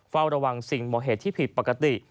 เฝ้าระวังสิ่งโมเหตุที่ผิดปกติ